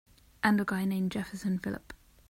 And a guy named Jefferson Phillip.